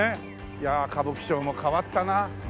いや歌舞伎町も変わったな。